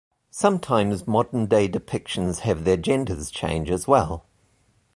Sometimes modern day depictions have their genders change as well.